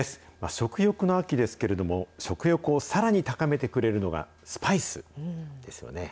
食欲の秋ですけれども、食欲をさらに高めてくれるのが、スパイスですよね。